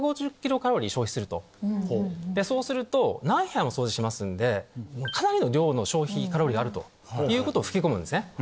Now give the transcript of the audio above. そうすると何部屋も掃除しますんでかなりの量の消費カロリーがあるということを吹き込むんですね。